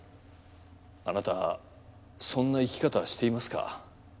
あなたそんな生き方していますか？